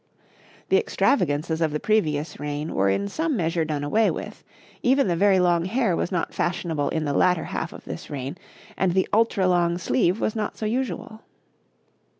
The extravagances of the previous reign were in some measure done away with; even the very long hair was not fashionable in the latter half of this reign, and the ultra long sleeve was not so usual.